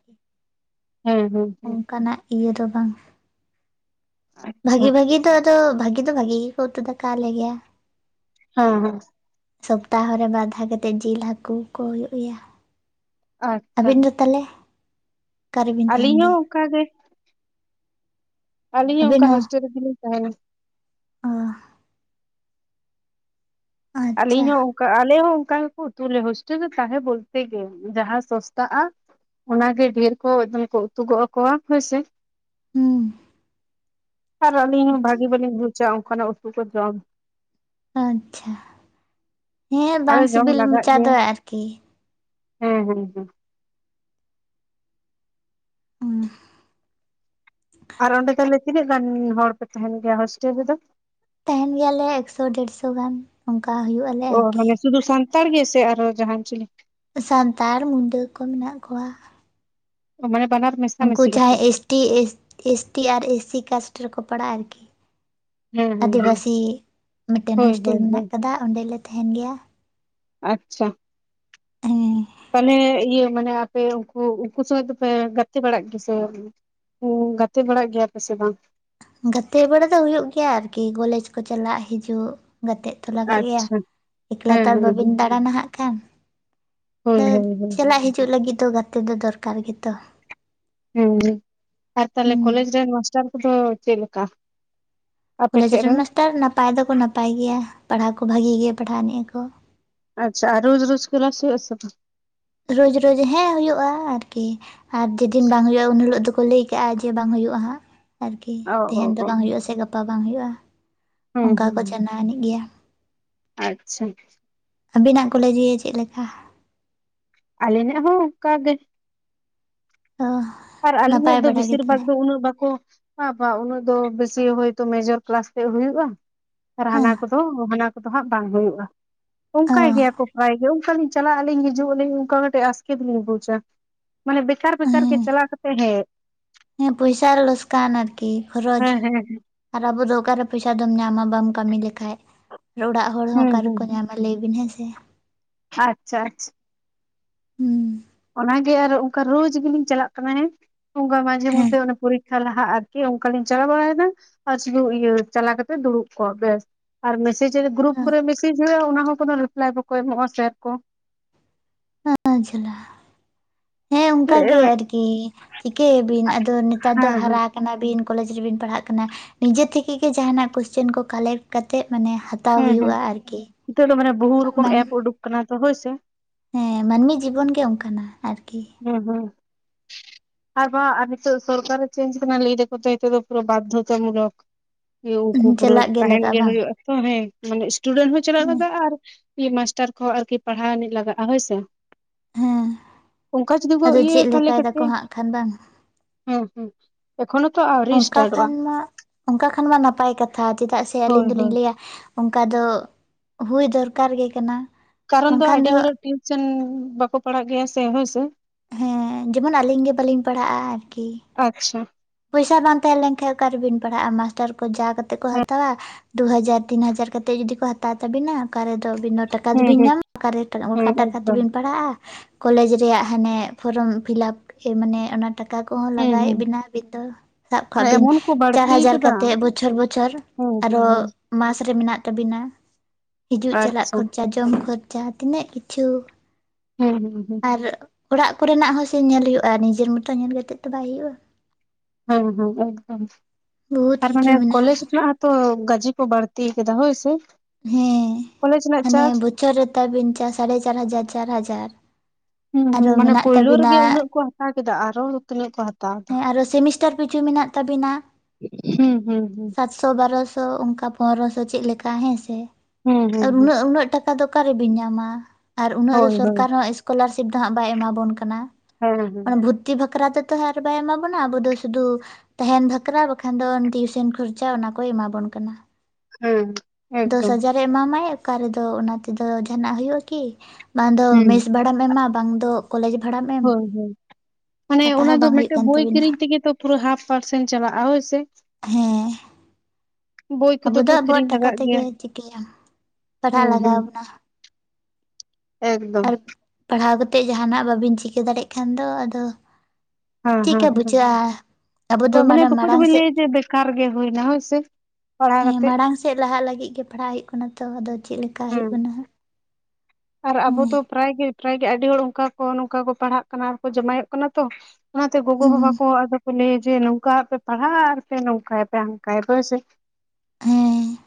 ᱦᱮᱸ ᱦᱮᱸ ᱾ ᱚᱱᱠᱟᱱᱟᱜ ᱤᱭᱟᱹ ᱫᱚ ᱵᱟᱝ ᱾ ᱟᱪᱪᱷᱟ ᱵᱷᱟᱹᱜᱤ ᱵᱷᱟᱹᱜᱤ ᱫᱚ ᱟᱫᱚ ᱵᱷᱟᱹᱜᱤ ᱫᱚ ᱵᱷᱟᱹᱜᱤ ᱜᱮ ᱠᱚ ᱩᱛᱩ ᱫᱟᱠᱟ ᱟᱞᱮ ᱜᱮᱭᱟ ᱾ ᱦᱚᱸ ᱦᱚᱸ᱾ ᱥᱚᱯᱛᱟᱦᱚ ᱨᱮ ᱵᱟᱨᱫᱷᱟᱣ ᱠᱟᱛᱮᱫ ᱡᱤᱞ ᱦᱟᱹᱠᱩ ᱠᱚ ᱦᱩᱭᱩᱜ ᱜᱮᱭᱟ᱾ ᱟᱪᱪᱷᱟ ᱟᱹᱵᱤᱱ ᱫᱚ ᱛᱟᱦᱚᱞᱮ᱾ ᱚᱠᱟ ᱨᱮᱵᱤᱱ ᱛᱟᱦᱮᱱ ᱟᱹᱞᱤᱧ ᱦᱚᱸ ᱜᱮᱭᱟ ᱚᱱᱠᱟ ᱜᱮ᱾ ᱟᱹᱞᱤᱧ ᱦᱚᱸ ᱟᱹᱵᱤᱱ ᱚᱱᱠᱟ ᱦᱳᱥᱴᱮᱞ ᱨᱮᱜᱮᱞᱤᱧ ᱛᱟᱦᱮᱱᱟ᱾ ᱦᱩᱸ ᱟᱪᱪᱷᱟ ᱟᱹᱞᱤᱧ ᱦᱚᱸ ᱚᱱ ᱠᱟ ᱟᱞᱮ ᱦᱚᱸ ᱚᱱᱠᱟ ᱜᱮᱠᱚ ᱩᱛᱩ ᱟᱞᱮ ᱦᱳᱥᱴᱮᱞ ᱨᱮ ᱛᱟᱦᱮᱸ ᱵᱚᱞᱛᱮ ᱜᱮ ᱡᱟᱦᱟᱸ ᱥᱚᱥᱛᱟᱜᱼᱟ᱾ ᱚᱱᱟᱜᱮ ᱰᱷᱮᱨ ᱠᱚ ᱮᱠᱫᱚᱢ ᱠᱚ ᱩᱛᱩ ᱜᱚᱜ ᱟᱠᱚᱣᱟ ᱦᱳᱭᱥᱮ᱾ ᱦᱩᱸ᱾ ᱟᱨ ᱟᱹᱞᱤᱧ ᱦᱚᱸ ᱵᱷᱟᱜᱤ ᱵᱟᱹᱞᱤᱧ ᱵᱩᱡᱟ ᱚᱱᱠᱟᱱᱟᱜ ᱩᱛᱩ ᱠᱚ ᱡᱚᱢ᱾ ᱟᱪᱪᱷᱟ ᱦᱮᱸ ᱟᱫᱚ ᱵᱟᱝ ᱡᱚᱢ ᱥᱤᱵᱤᱞ ᱞᱟᱜᱟᱜ ᱢᱩᱪᱟ ᱜᱮᱭᱟ ᱫᱚ ᱟᱨᱠᱤ᱾ ᱦᱮᱸ, ᱦᱮᱸ, ᱦᱮᱸ ᱾ ᱦᱩᱸ ᱟᱨ ᱚᱸᱰᱮ ᱛᱟᱦᱚᱞᱮ ᱛᱤᱱᱟᱹᱜ ᱜᱟᱱ ᱦᱚᱲ ᱯᱮ ᱛᱟᱦᱮᱱ ᱜᱮᱭᱟ ᱦᱳᱥᱴᱮᱞ ᱨᱮᱫᱚ? ᱛᱟᱦᱮᱱ ᱜᱮᱭᱟᱞᱮ ᱮᱠᱥᱚ ᱰᱮᱲᱥᱚ ᱜᱟᱱ ᱚᱱᱠᱟ ᱦᱩᱭᱩᱜᱼᱟ ᱾ ᱚ ᱢᱟᱱᱮ ᱥᱩᱫᱷᱩ ᱥᱟᱱᱛᱟᱲ ᱜᱮ ᱥᱮ ᱟᱨᱦᱚᱸ ᱡᱟᱦᱟᱱ ᱪᱤᱞᱤ᱾ ᱥᱟᱱᱛᱟᱲ ᱢᱩᱰᱟᱹ ᱠᱚ ᱢᱮᱱᱟᱜ ᱠᱚᱣᱟ᱾ ᱢᱟᱱᱮ ᱵᱟᱱᱟᱨ ᱢᱮᱥᱟ᱾ ᱩᱱᱠᱩ ᱢᱤᱥᱤ ᱡᱟᱦᱟᱸᱭ ᱠᱟᱛᱮᱜ ᱮᱥᱴᱤ ᱮᱥᱴᱤ ᱟᱨ ᱮᱥ ᱥᱤ ᱠᱟᱥᱴ ᱨᱮᱠᱚ ᱯᱟᱲᱟᱜᱼᱟ ᱟᱨᱠᱤ᱾ ᱦᱮᱸ ᱦᱮᱸ ᱦᱮᱸ ᱟᱹᱫᱤᱵᱟᱹᱥᱤ ᱢᱤᱫᱴᱮᱱ ᱦᱳᱭ ᱦᱳᱥᱴᱮᱞ ᱦᱳᱭ ᱢᱮᱱᱟᱜ ᱦᱳᱭ ᱟᱠᱟᱫᱟ ᱚᱸᱰᱮᱞᱮ ᱛᱟᱦᱮᱱ ᱜᱮᱭᱟ᱾ ᱟᱪᱪᱷᱟ᱾ ᱦᱮᱸ᱾ ᱛᱟᱦᱚᱞᱮ ᱤᱭᱟᱹ ᱢᱟᱱᱮ ᱟᱯᱮ ᱩᱱᱠᱩ ᱩᱱᱠᱩ ᱥᱚᱸᱜᱮ ᱫᱚᱯᱮ ᱜᱟᱛᱮ ᱵᱟᱲᱟᱜ ᱜᱮᱥᱮ ᱵᱟᱝ? ᱦᱚᱸ ᱜᱟᱛᱮ ᱵᱟᱲᱟᱜ ᱜᱮᱭᱟ ᱯᱮᱥᱮ ᱵᱟᱝ? ᱜᱟᱛᱮ ᱵᱟᱲᱟ ᱫᱚ ᱦᱩᱭᱩᱜ ᱜᱮᱭᱟ ᱟᱨᱠᱤ ᱠᱚᱞᱮᱡᱽ ᱠᱚ ᱪᱟᱞᱟᱜ ᱦᱤᱡᱩᱜ ᱜᱟᱛᱮᱜ ᱾ ᱜᱟᱛᱮ ᱞᱟᱜᱟᱜ ᱜᱮᱭᱟ ᱟᱪᱪᱷᱟ ᱮᱠᱞᱟ ᱛᱚ ᱦᱮᱸ ᱟᱨ ᱦᱮᱸ ᱵᱟᱟᱹᱵᱤᱱ ᱦᱮᱸ ᱫᱟᱬᱟᱱᱟ ᱦᱟᱜ ᱠᱷᱟᱱ᱾ ᱦᱳᱭ ᱟᱫᱚ ᱦᱳᱭ ᱦᱳᱭ ᱪᱟᱞᱟᱜ ᱦᱤᱡᱩᱜ ᱞᱟᱹᱜᱤᱫ ᱫᱚ ᱜᱟᱛᱮ ᱫᱚ ᱫᱚᱨᱠᱟᱨ ᱜᱮᱛᱚ᱾ ᱦᱩᱸ ᱟᱨ ᱛᱟᱞᱮ ᱦᱩᱸ ᱠᱚᱞᱮᱡᱽ ᱨᱮ ᱢᱟᱥᱴᱟᱨ ᱠᱚ ᱪᱮᱫ ᱞᱮᱠᱟ? ᱟᱯᱮ ᱠᱚᱞᱮᱡᱽ ᱴᱷᱮᱡ ᱨᱮᱱ ᱢᱟᱥᱴᱟᱨ ᱱᱟᱯᱟᱭ ᱫᱚᱠᱚ ᱱᱟᱯᱟᱭ ᱜᱮᱭᱟ ᱯᱟᱲᱦᱟᱣ ᱠᱚ ᱵᱷᱟᱜᱤ ᱜᱮᱭᱟ ᱯᱟᱲᱦᱟᱣ ᱟᱱᱮᱡ ᱟᱠᱚ᱾ ᱟᱪᱪᱷᱟ ᱟᱨ ᱨᱳᱡᱽ ᱨᱳᱡᱽ ᱠᱟᱞᱟᱥ ᱦᱩᱭᱩᱜᱼᱟ ᱥᱮ ᱵᱟᱝ? ᱨᱚᱡᱽ ᱨᱚᱡᱽ ᱦᱮᱸ ᱦᱩᱭᱩᱜᱼᱟ ᱟᱨᱠᱤ ᱟᱨ ᱡᱮᱫᱤᱱ ᱵᱟᱝ ᱦᱩᱭᱩᱜᱼᱟ ᱩᱱ ᱦᱤᱞᱳᱜ ᱫᱚᱠᱚ ᱞᱟᱹᱭ ᱠᱮᱫ᱾ ᱪᱤᱠᱟᱹᱜᱼᱟ ᱡᱮ ᱵᱟᱝ ᱦᱩᱭᱩᱜᱼᱟ ᱦᱟᱸᱜ ᱟᱨᱠᱤ ᱚ ᱚ ᱛᱮᱦᱮᱱ ᱫᱚ ᱚ ᱵᱟᱝ ᱦᱩᱭᱩᱜᱼᱟ ᱥᱮ ᱜᱟᱯᱟ ᱵᱟᱝ ᱦᱩᱭᱩᱜᱼᱟ᱾ ᱦᱩᱸ ᱚᱱᱠᱟ ᱠᱚ ᱡᱟᱱᱟᱣᱱᱤᱡ ᱜᱮᱭᱟ᱾ ᱟᱪᱪᱷᱟᱻ᱾ ᱟᱵᱤᱱᱟᱜ ᱠᱚᱞᱮᱡᱽ ᱜᱮ ᱪᱮᱫ ᱞᱮᱠᱟ? ᱟᱞᱮᱱᱟᱜ ᱦᱚᱸ ᱚᱱᱠᱟᱜᱮ᱾ ᱚᱸ᱾ ᱟᱨ ᱟᱹᱞᱤᱧᱟᱜ ᱫᱚ ᱵᱮᱥᱤᱨ ᱵᱷᱟᱜᱽ ᱫᱚ ᱩᱱᱟᱹᱜ ᱵᱟᱠᱚ᱾ ᱵᱟ ᱵᱟᱝ ᱩᱱᱟᱹᱜ ᱫᱚ ᱵᱮᱥᱤ ᱦᱚᱭᱛᱳ ᱢᱮᱡᱚᱨ ᱠᱟᱞᱟᱥ ᱛᱮᱫ ᱦᱩᱭᱩᱜᱼᱟ ᱟᱨ ᱦᱮᱸ ᱦᱟᱱᱟ ᱠᱚᱫᱚ ᱾ ᱫᱚ ᱦᱟᱸᱜ ᱵᱟᱝ ᱦᱩᱭᱩᱜᱼᱟ ᱚ ᱚᱱᱠᱟᱭ ᱜᱮᱭᱟ ᱠᱚ ᱯᱟᱨᱟᱭ ᱜᱮ ᱚᱱᱠᱟᱞᱤᱧ᱾ ᱪᱟᱞᱟᱜ ᱟᱹᱞᱤᱧ ᱦᱤᱡᱩᱜ ᱟᱹᱞᱤᱧ ᱚᱱᱠᱟ ᱠᱟᱹᱴᱤᱡ ᱟᱥᱠᱮᱛ ᱫᱚᱞᱤᱧ ᱵᱩᱡᱟ ᱢᱟᱱᱮ ᱵᱮᱠᱟᱨ ᱵᱮᱠᱟᱨ ᱦᱮᱸ ᱫᱚ᱾ ᱪᱟᱞᱟᱣ ᱠᱟᱛᱮᱜ ᱦᱮᱡᱸ᱾ ᱦᱮᱸ ᱯᱚᱭᱥᱟ ᱞᱚᱥ ᱠᱟᱱ ᱟᱨᱠᱤ ᱠᱷᱚᱨᱚᱪ᱾ ᱦᱮᱸ ᱦᱮᱸ ᱟᱨ ᱟᱵᱚ ᱫᱚ ᱚᱠᱟᱨᱮ ᱯᱚᱭᱥᱟ ᱫᱚᱢ ᱧᱟᱢᱟ ᱵᱟᱢ ᱠᱟᱹᱢᱤ ᱞᱮᱠᱷᱟᱱᱡ ᱚᱲᱟᱜ ᱦᱚᱲ ᱦᱚᱸ ᱦᱩᱸ ᱚᱠᱟᱮᱠᱚ ᱦᱩᱸ ᱧᱟᱢᱟ᱾ ᱞᱟᱹᱭ ᱵᱤᱱ ᱦᱮᱸ ᱥᱮ᱾ ᱟᱪᱪᱷᱟ ᱟᱪᱪᱷᱟ᱾ ᱦᱩᱸ᱾ ᱚᱱᱟᱜᱮ ᱟᱨ ᱚᱱᱠᱟ ᱨᱳᱡ ᱜᱮᱞᱤᱤᱧ ᱪᱟᱞᱟᱜ ᱠᱟᱱᱟ ᱚᱱᱠᱟ ᱢᱟᱡᱷᱮ ᱦᱮᱸ ᱢᱚᱫᱽᱫᱷᱮ ᱯᱚᱨ᱾ ᱛᱟᱦᱚᱞ ᱟᱨᱠᱤ ᱚᱱᱠᱟᱞᱤᱤᱧ ᱪᱟᱞᱟᱣ ᱵᱟᱲᱟᱭᱮᱫᱱᱟ ᱟᱨ ᱤᱭᱟᱹ ᱪᱟᱞᱟᱣ ᱠᱟᱛᱮ ᱫᱩᱲᱩᱵ ᱠᱚᱜᱼᱟ ᱵᱮᱥ᱾ ᱟᱨ ᱢᱮᱥᱮᱡᱽ ᱨᱮ ᱜᱽᱨᱩᱯ ᱚ ᱠᱚᱨᱮ ᱢᱮᱥᱮ ᱦᱩᱭᱩᱜᱼᱟ ᱚᱱᱟ ᱦᱚᱸ ᱠᱳᱱᱳ ᱨᱤᱯᱞᱟᱭ ᱵᱟᱠᱚ ᱮᱢᱚᱜᱼᱟ ᱥᱮᱨ ᱠᱚ᱾ ᱚᱸ ᱡᱟᱞᱟ ᱦᱮᱸ ᱚᱱᱠᱟ ᱜᱮ ᱦᱮᱸ ᱟᱨᱠᱤ ᱪᱤᱠᱟᱹᱭᱟᱵᱤᱱ ᱟᱫᱚ ᱱᱮᱛᱟᱨ ᱫᱚ ᱦᱮᱸ ᱦᱟᱨᱟ ᱠᱟᱱᱟ ᱵᱤᱱ ᱠᱚᱞᱮᱡᱽ ᱨᱮᱵᱤᱱ ᱯᱟᱲᱦᱟᱜ ᱠᱟᱱᱟ ᱱᱤᱡᱮ ᱛᱮ ᱜᱮ ᱡᱟᱦᱟᱱᱟᱜ ᱠᱚᱥᱪᱮᱱ ᱠᱚ ᱠᱟᱞᱮᱠᱴ ᱠᱟᱛᱮᱫ ᱢᱟᱱᱮ ᱦᱟᱛᱟᱣ ᱦᱩᱸ ᱦᱩᱸ ᱦᱩᱭᱩᱜᱼᱟ ᱟᱨᱠᱤ ᱱᱤᱛ ᱫᱚ ᱢᱟᱱᱮ ᱵᱚᱦᱩ ᱨᱚᱠᱚᱢ ᱢᱟᱱ ᱮᱯ ᱩᱰᱩᱠ ᱟᱠᱟᱱᱟ ᱛᱚ ᱦᱳᱭ ᱥᱮ ᱦᱮᱸ ᱢᱟᱹᱱᱢᱤ ᱡᱤᱵᱚᱱ ᱜᱮ ᱚᱱᱠᱟᱱᱟ ᱟᱨᱠᱤ ᱦᱩᱸ ᱦᱩᱸ ᱟᱨ ᱵᱟᱝ ᱟᱨ ᱱᱤᱛᱚᱜ ᱥᱚᱨᱠᱟᱨ ᱮ ᱪᱮᱧᱡᱽ ᱠᱟᱱᱟ ᱞᱟᱹᱭ ᱫᱟᱠᱚ ᱛᱚ ᱱᱤᱛᱚᱜ ᱫᱚ ᱯᱩᱨᱟᱹ ᱵᱟᱫᱷᱚᱛᱟᱢᱩᱞᱚᱠ ᱩᱱᱠᱩ ᱯᱩᱨᱟᱹ ᱪᱟᱞᱟᱜ ᱛᱟᱦᱮᱱ ᱞᱟᱜᱟᱜᱼᱟ ᱜᱮ ᱵᱟᱝ ᱦᱩᱭᱩᱜᱼᱟ ᱛᱚ ᱦᱮᱸ ᱢᱟᱱᱮ ᱤᱥᱴᱩᱰᱮᱱᱴ ᱦᱚᱸ ᱪᱟᱞᱟᱜ ᱞᱟᱜᱟᱜᱼᱟ ᱟᱨ ᱢᱟᱥᱴᱟᱨ ᱠᱚᱦᱚᱸ ᱟᱨᱠᱤ ᱯᱟᱲᱦᱟᱣ ᱟᱱᱤᱡ ᱞᱟᱜᱟᱜᱼᱟ ᱦᱳᱭ ᱥᱮ ᱦᱮᱸ ᱚᱱᱠᱟ ᱡᱩᱫᱤ ᱠᱚ ᱟᱫᱚ ᱪᱮᱫ ᱤᱭᱟᱹᱭᱟ ᱛᱟᱦᱞᱮ ᱞᱮᱠᱟᱭ ᱫᱟᱠᱚ ᱠᱟᱹᱴᱤᱡ ᱦᱟᱸᱜ ᱠᱷᱟᱱ ᱵᱟᱝ ᱦᱮᱸ ᱦᱮᱸ ᱮᱠᱷᱚᱱᱳ ᱛᱚ ᱟᱹᱣᱨᱤ ᱚᱱᱠᱟ ᱥᱴᱟᱴᱚᱜᱼᱟ ᱠᱷᱟᱱ ᱢᱟ ᱚᱱᱠᱟ ᱠᱷᱟᱱ ᱢᱟ ᱱᱟᱯᱟᱭ ᱠᱟᱛᱷᱟ ᱪᱮᱫᱟᱜ ᱥᱮ ᱦᱳᱭ ᱟᱹᱞᱤᱧ ᱦᱳᱭ ᱫᱚᱞᱤᱧ ᱞᱟᱹᱭᱟ᱾ ᱚᱱᱠᱟ ᱫᱚ ᱦᱩᱭ ᱫᱚᱨᱠᱟᱨ ᱜᱮ ᱠᱟᱱᱟ᱾ ᱠᱟᱨᱚᱱ ᱫᱚ ᱟᱹᱰᱤ ᱦᱚᱲᱟᱜ ᱴᱤᱭᱩᱥᱮᱱ ᱵᱟᱠᱚ ᱯᱟᱲᱦᱟᱜ ᱜᱮᱭᱟ ᱥᱮ ᱦᱮᱸᱥᱮ᱾ ᱦᱮᱸ ᱡᱮᱢᱚᱱ ᱟᱹᱞᱤᱧ ᱜᱮ ᱵᱟᱹᱞᱤᱧ ᱯᱟᱲᱦᱟᱜᱼᱟ ᱟᱨᱠᱤ ᱟᱪᱪᱷᱟ ᱯᱚᱭᱥᱟ ᱵᱟᱝ ᱛᱟᱦᱮᱸ ᱞᱮᱱᱠᱷᱟᱡ ᱚᱠᱟ ᱨᱮ ᱵᱮᱱ ᱯᱟᱲᱦᱟᱜᱼᱟ ᱢᱟᱥᱴᱟᱨ ᱠᱚ ᱡᱟ ᱠᱟᱛᱮᱫ ᱠᱚ ᱦᱟᱛᱟᱣᱟ ᱫᱩ ᱦᱟᱡᱟᱨ ᱛᱤᱱ ᱦᱟᱡᱟᱨ ᱠᱟᱛᱮᱫ ᱡᱩᱫᱤ ᱠᱚ ᱦᱟᱛᱟᱣ ᱛᱟᱵᱤᱱᱟ ᱚᱠᱟ ᱨᱮ ᱫᱚ ᱟᱵᱤᱱ ᱫᱚ ᱴᱟᱠᱟ ᱦᱩᱸ ᱫᱚᱵᱤᱱ ᱦᱩᱸ ᱧᱟᱢᱟ ᱚᱠᱟ ᱨᱮ ᱚᱠᱟ ᱦᱮᱸ ᱴᱟᱠᱟ ᱮᱠᱫᱚᱢ ᱛᱮᱵᱤᱱ ᱯᱟᱲᱦᱟᱜᱼᱟ ᱠᱚᱞᱮᱡᱽ ᱨᱮᱭᱟᱜ ᱦᱟᱱᱮ ᱯᱷᱨᱚᱢ ᱯᱷᱤᱞᱟᱯ ᱢᱟᱱᱮ ᱚᱱᱟ ᱴᱟᱠᱟ ᱠᱚᱦᱚᱸ ᱦᱩᱸ ᱞᱟᱜᱟᱣᱮᱫ ᱦᱩᱸ ᱵᱤᱱᱟ ᱟᱹᱵᱤᱱ ᱫᱚ ᱥᱟᱵ ᱠᱟᱜ ᱵᱤᱱ ᱮᱢᱚᱱ ᱠᱚ ᱪᱟᱨ ᱵᱟᱹᱲᱛᱤ ᱦᱟᱡᱟᱨ ᱠᱟᱫᱟ ᱠᱟᱛᱮᱫ ᱵᱚᱪᱷᱚᱨ ᱵᱚᱪᱷᱚᱨ ᱦᱩᱸ ᱦᱩᱸ ᱟᱨᱦᱚ ᱦᱩᱸ ᱢᱟᱥ ᱨᱮ ᱢᱮᱱᱟᱜ ᱛᱟᱵᱤᱱᱟ ᱦᱤᱡᱩᱜ ᱪᱟᱞᱟᱜ ᱟᱪᱪᱷᱟ ᱠᱷᱚᱨᱪᱟ ᱡᱚᱢ ᱠᱷᱚᱨᱪᱟ ᱛᱤᱱᱟᱹᱜ ᱠᱤᱪᱷᱩ ᱦᱩᱸ ᱦᱩᱸ ᱦᱩᱸ ᱟᱨ ᱚᱲᱟᱜ ᱠᱚᱨᱮᱱᱟᱜ ᱦᱚᱸ ᱥᱮ ᱧᱮᱞ ᱦᱩᱭᱩᱜᱼᱟ, ᱱᱤᱡᱮᱨ ᱢᱚᱛᱚ ᱧᱮᱞ ᱠᱟᱛᱮᱜ ᱛᱚ ᱵᱟᱭ ᱦᱳᱭᱳᱜᱼᱟ ᱾ ᱦᱳᱭᱸ ᱦᱳᱭᱸ ᱮᱠᱫᱚᱢ, ᱵᱚᱦᱩᱛ ᱟᱨ ᱠᱤᱪᱷᱩ ᱢᱟᱱᱮ ᱢᱮᱱᱟᱜᱼᱟ ᱠᱚᱞᱮᱡᱽ ᱨᱮᱱᱟᱜ ᱦᱚᱛᱚ ᱛᱚ ᱜᱟᱡᱮ ᱠᱚ ᱵᱟᱹᱲᱛᱤ ᱠᱟᱫᱟ ᱦᱳᱭ ᱥᱮᱢ ᱦᱮᱸ, ᱦᱟᱱᱮ ᱵᱚᱪᱷᱚᱨ ᱨᱮ ᱛᱟᱵᱮᱱ ᱪᱟᱥ ᱥᱟᱲᱮ ᱪᱟᱨ ᱦᱟᱡᱟᱨ ᱪᱟᱨ ᱦᱟᱡᱟᱨ ᱾ ᱦᱩᱸ ᱦᱩᱸ ᱢᱟᱱᱮ ᱯᱳᱭᱞᱳ ᱨᱮᱜᱮ ᱩᱱᱟᱹᱜ ᱠᱚ ᱦᱟᱛᱟᱣ ᱠᱮᱫᱟ, ᱟᱨᱚ ᱫᱚ ᱛᱤᱱᱟᱹᱜ ᱠᱚ ᱦᱟᱛᱟᱣ ᱮᱫᱟ ᱦᱮᱸ ᱟᱨᱦᱚ ᱥᱮᱢᱤᱥᱴᱟᱨ ᱠᱤᱪᱷᱩ ᱢᱮᱱᱟᱜ ᱛᱟᱵᱤᱱᱟ? ᱦᱩᱸ ᱦᱩᱸ ᱦᱩᱸ ᱥᱚ ᱵᱟᱨᱚᱥᱚ ᱚᱱᱠᱟ ᱯᱚᱱᱮᱨᱚᱥᱚ ᱪᱮᱫ ᱞᱮᱠᱟ ᱦᱮᱸ ᱥᱮ, ᱦᱩᱸ ᱟᱨ ᱦᱩᱸ ᱦᱩᱸ ᱦᱩᱸ ᱩᱱᱟᱹᱜ ᱩᱱᱟᱹᱜ ᱴᱟᱠᱟ ᱚᱠᱟ ᱫᱚ ᱚᱠᱟᱨᱮᱵᱤᱱ ᱧᱟᱢᱟ, ᱟᱨ ᱩᱱᱟᱹᱜ ᱫᱚ ᱦᱳᱭ ᱦᱳᱭ ᱥᱚᱨᱠᱟᱨ ᱦᱚᱸ ᱥᱠᱚᱞᱟᱨᱥᱤᱯ ᱫᱚ ᱦᱟᱸᱜ ᱵᱟᱭ ᱮᱢᱟᱵᱚᱱ ᱠᱟᱱᱟ ᱦᱮᱸ ᱾ ᱦᱮᱸ ᱢᱟᱱᱮ ᱵᱷᱩᱛᱤ ᱵᱟᱠᱷᱨᱟ ᱛᱮᱛᱚ ᱦᱟᱸᱜ ᱵᱟᱭ ᱮᱢᱟᱵᱚᱱᱟ, ᱟᱵᱚ ᱫᱚ ᱥᱩᱫᱩ ᱛᱟᱦᱮᱱ ᱵᱷᱟᱠᱷᱨᱟ ᱵᱟᱠᱷᱟᱱ ᱫᱚ ᱴᱤᱭᱩᱥᱚᱱ ᱠᱷᱚᱨᱪᱟ ᱚᱱᱟ ᱠᱚᱭ ᱮᱢᱟᱵᱚᱱ ᱠᱟᱱᱟ ᱾ ᱦᱩᱸ ᱦᱩᱸ ᱫᱚᱥ ᱦᱟᱡᱟᱨᱮ ᱮᱢᱟᱢᱟᱭ ᱚᱠᱟ ᱨᱮᱫᱚ ᱚᱱᱟ ᱛᱮᱫᱚ ᱡᱟᱦᱟᱱᱟᱜ ᱦᱩᱭᱩᱜᱼᱟ ᱠᱤ, ᱵᱟᱝ ᱫᱚ ᱦᱩᱸ ᱢᱮᱥ ᱵᱷᱟᱲᱟᱢ ᱮᱢᱟ ᱵᱟᱝ ᱫᱚ ᱠᱚᱞᱮᱡᱽ ᱵᱷᱟᱲᱟᱢ ᱮᱢ ᱾ ᱦᱳᱭ ᱦᱳᱭ ᱢᱟᱱᱮ ᱚᱱᱟ ᱫᱚ ᱢᱤᱫᱴᱮᱝ ᱵᱳᱭ ᱠᱤᱨᱤᱧ ᱛᱮᱜᱮ ᱛᱚ ᱯᱩᱨᱟᱹ ᱦᱟᱯ ᱯᱟᱨᱥᱮᱱ ᱪᱟᱞᱟᱜᱼᱟ ᱦᱳᱭ ᱥᱮ᱾ ᱦᱮᱸ ᱵᱳᱭ ᱟᱵᱚ ᱠᱚᱫᱚ ᱫᱚ ᱛᱚ ᱟᱵᱚᱣᱟᱜ ᱠᱤᱨᱤᱧ ᱴᱟᱠᱟ ᱞᱟᱜᱟᱜ ᱛᱮᱜᱮ ᱜᱮᱭᱟ ᱪᱤᱠᱟᱹᱭᱟᱢ ᱾ ᱯᱟᱲᱦᱟᱜ ᱦᱩᱸ ᱞᱟᱜᱟᱣ ᱦᱩᱸ, ᱵᱚᱱᱟ ᱮᱜᱽᱫᱚᱢ ᱟᱨ ᱯᱟᱲᱦᱟᱣ ᱠᱟᱛᱮᱫ ᱡᱟᱦᱟᱱᱟᱜ ᱵᱟᱵᱤᱱ ᱪᱤᱠᱟᱹ ᱫᱟᱲᱮᱜ ᱠᱷᱟᱱ ᱫᱚ ᱟᱫᱚ ᱦᱮᱸ ᱦᱮᱸ ᱪᱮᱫᱠᱟ ᱦᱮᱸ, ᱵᱩᱡᱷᱟᱹᱜᱼᱟ ᱟᱵᱚ ᱫᱚ ᱦᱳᱭ ᱢᱟᱱᱮ ᱛᱚᱠᱚᱭ ᱢᱟᱲᱟᱝ ᱫᱚᱵᱤᱱ ᱥᱮᱫ ᱞᱟᱹᱭᱟ ᱡᱮ ᱵᱮᱠᱟᱨ ᱜᱮ ᱦᱩᱭᱱᱟ ᱦᱳᱭ ᱥᱮ ᱾ ᱦᱮᱸ ᱢᱟᱲᱟᱝ ᱥᱮᱫ ᱞᱟᱦᱟᱜ ᱞᱟᱹᱜᱤᱫ ᱜᱮ ᱯᱟᱲᱦᱟᱜ ᱦᱩᱭᱩᱜ ᱠᱟᱱᱟ ᱛᱚ, ᱟᱫᱚ ᱪᱮᱫ ᱞᱮᱠᱟ, ᱦᱮᱸ ᱦᱩᱭᱩᱜ ᱠᱟᱱᱟ ᱟᱨ ᱟᱵᱚ ᱦᱟᱸᱜ ᱫᱚ ᱦᱮᱸ ᱯᱨᱟᱭ ᱜᱮ ᱯᱨᱟᱭ ᱜᱮ ᱟᱹᱰᱤ ᱦᱚᱲ ᱚᱱᱠᱟ ᱠᱚ ᱱᱚᱝᱠᱟ ᱠᱚ ᱯᱟᱲᱦᱟᱜ ᱠᱟᱱᱟ, ᱟᱨ ᱠᱚ ᱡᱟᱢᱟᱭᱚᱜ ᱠᱟᱱᱟ ᱛᱚ ᱾ ᱚᱱᱟᱛᱮ ᱜᱚᱜᱚ ᱦᱩᱸ ᱵᱟᱵᱟ ᱠᱚ ᱟᱫᱚ ᱠᱚ ᱞᱟᱹᱭᱟ ᱡᱮ ᱱᱚᱝᱠᱟ ᱯᱮ ᱯᱟᱲᱦᱟᱜᱟ ᱟᱨ ᱯᱮ ᱱᱚᱝᱠᱟᱭ ᱯᱮ, ᱦᱟᱱᱠᱟᱭ ᱯᱮ, ᱦᱳᱭ ᱥᱮ ᱾ ᱦᱮᱸ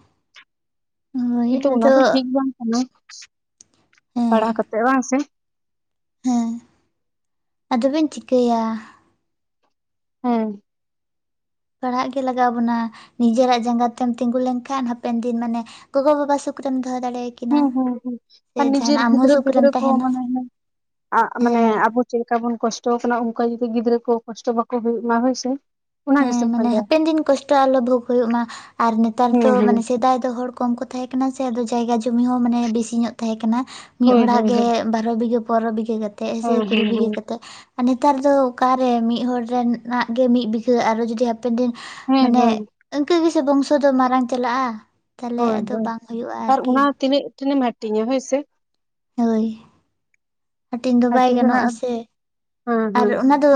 ᱦᱳᱭ ᱠᱤᱱᱛᱩ ᱚᱱᱟ ᱟᱫᱚ ᱫᱚ ᱴᱷᱤᱠ ᱵᱟᱝ ᱦᱮᱸ ᱯᱟᱲᱦᱟᱣ ᱠᱟᱛᱮ ᱵᱟᱝ ᱥᱮ, ᱦᱮᱸ, ᱟᱫᱚ ᱵᱮᱱ ᱪᱤᱠᱟᱹᱭᱟ ᱾ ᱦᱮᱸ ᱯᱟᱲᱦᱟᱜ ᱜᱮ ᱞᱟᱜᱟᱣ ᱵᱚᱱᱟ᱾ ᱱᱤᱡᱮᱨᱟᱜ ᱡᱟᱸᱜᱟ ᱛᱮᱢ ᱛᱤᱸᱜᱩ ᱞᱮᱱᱠᱷᱟᱱ ᱦᱟᱯᱮᱱ ᱫᱤᱱ ᱢᱟᱱᱮ- ᱜᱚᱜᱚ-ᱵᱟᱵᱟ ᱥᱩᱠ ᱨᱮᱢ ᱫᱚᱦᱚ ᱫᱟᱲᱮ ᱦᱩᱸ ᱦᱩᱸ ᱦᱩᱸ᱾ ᱟᱨ ᱱᱤᱡᱮᱨ ᱜᱤᱫᱽᱨᱟᱹ ᱥᱩᱠ ᱨᱮᱢ ᱯᱤᱫᱽᱨᱟᱹ ᱠᱚ ᱛᱟᱦᱮᱱᱟ ᱢᱟᱱᱮ ᱟᱜ ᱢᱟᱱᱮ ᱦᱮᱸ ᱟᱵᱚ- ᱪᱮᱫ ᱞᱮᱠᱟ ᱵᱚᱱ ᱠᱚᱥᱴᱚ ᱟᱠᱟᱱᱟ, ᱚᱱᱠᱟ ᱡᱩᱚᱫᱤ ᱜᱤᱫᱽᱨᱟᱹ ᱠᱚ ᱠᱚᱥᱴᱚ ᱵᱟᱠᱚ ᱦᱩᱭᱩᱜ ᱢᱟ ᱦᱳᱭᱥᱮ᱾ ᱦᱮᱸ ᱢᱟᱱᱮ ᱦᱟᱯᱮᱱ ᱫᱤᱱ ᱠᱚᱥᱴᱚ ᱟᱞᱚ ᱵᱷᱳᱜᱽ ᱦᱩᱭᱩᱜ ᱢᱟ᱾ ᱟᱨ ᱱᱮᱛᱟᱨ ᱫᱚ ᱦᱮᱸ ᱦᱮᱸ ᱢᱟᱱᱮ ᱥᱮᱫᱟᱭ ᱫᱚ ᱦᱚᱲ- ᱠᱚᱢ ᱠᱚ ᱛᱟᱦᱮᱸ ᱠᱟᱱᱟ ᱥᱮ, ᱟᱫᱚ ᱡᱟᱭᱜᱟ ᱡᱩᱢᱤ ᱦᱚᱸ ᱢᱟᱱᱮ ᱵᱮᱥᱤ ᱧᱚᱜ ᱛᱟᱦᱮᱸ ᱠᱟᱱᱟ᱾ ᱢᱤᱫ ᱦᱳᱭ ᱦᱚᱲᱟᱜ ᱦᱳᱭ ᱦᱳᱭ ᱜᱮ- ᱵᱟᱨᱚ ᱵᱤᱜᱷᱟᱹ ᱯᱚᱱᱨᱚ ᱵᱤᱜᱷᱟᱹ ᱠᱟᱛᱮᱫ, ᱦᱮᱸ ᱥᱮ ᱠᱩᱲᱤ ᱵᱤᱜᱷᱟᱹ ᱠᱟᱛᱮᱫ᱾ ᱟᱨ ᱱᱮᱛᱟᱨ ᱫᱚ ᱚᱠᱟᱨᱮ ᱢᱤᱫ ᱦᱚᱲ ᱨᱮᱱᱟᱜ ᱜᱮ ᱢᱤᱫ ᱵᱤᱜᱷᱟᱹ ᱟᱨᱚ ᱡᱩᱫᱤ ᱦᱟ- ᱦᱟᱯᱮᱱ ᱫᱤᱱ ᱦᱮᱸ ᱢᱟᱱᱮ ᱦᱮᱸ ᱤᱱᱠᱟᱹ ᱜᱮᱥᱮ ᱵᱚᱝᱥᱚ ᱫᱚ ᱢᱟᱨᱟᱝ ᱪᱟᱞᱟᱜᱼᱟ᱾ ᱛᱟᱦᱚᱞᱮ ᱦᱳᱭ ᱟᱫᱚ ᱦᱳᱭ ᱵᱟᱝ ᱦᱩᱭᱩᱜᱼᱟ ᱟᱨ ᱟᱨᱠᱤ᱾ ᱚᱱᱟ ᱛᱤᱱᱟᱹᱜ ᱮᱢ ᱦᱟᱴᱤᱧᱟ ᱦᱳᱭ ᱥᱮ ᱦᱳᱭ, ᱦᱟᱹᱴᱤᱧ ᱫᱚ ᱵᱟᱭ ᱜᱟᱱᱚᱜᱼᱟ ᱥᱮ, ᱟᱨ ᱚᱱᱟ ᱫᱚ